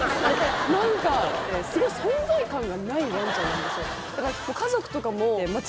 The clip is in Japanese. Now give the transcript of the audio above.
何かすごい存在感がないワンちゃんなんですよ